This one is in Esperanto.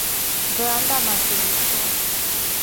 Granda malfeliĉo!